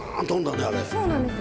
そうなんですよ